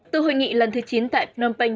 từ hội nghị lần thứ chín tại phnom penh